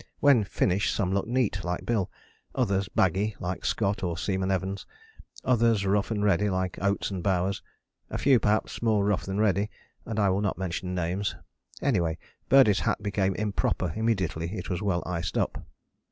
When finished some looked neat, like Bill: others baggy, like Scott or Seaman Evans: others rough and ready, like Oates and Bowers: a few perhaps more rough than ready, and I will not mention names. Anyway Birdie's hat became improper immediately it was well iced up.